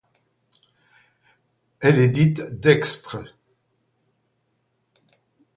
Elle est dite dextre.